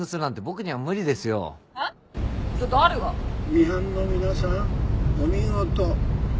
ミハンの皆さんお見事。